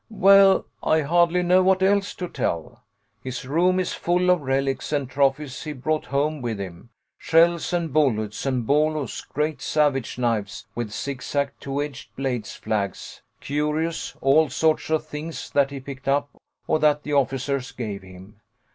"Well, I hardly know what else to tell. His room is full of relics and trophies he brought home with him, shells and bullets and bolos great savage knives with zigzag two edged blades flags, curios, all sorts of things that he picked up or that the officers gave him.